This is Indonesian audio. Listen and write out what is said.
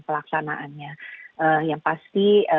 pelaksanaannya yang pasti